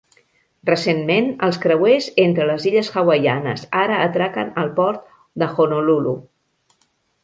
Recentment els creuers entre les Illes Hawaianes ara atraquen al port d'Honolulu.